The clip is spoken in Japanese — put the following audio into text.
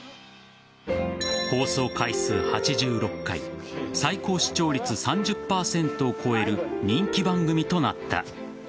放送回数８６回最高視聴率３０％を超える人気番組となった。